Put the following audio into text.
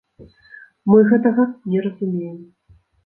Мы гэтага не разумеем.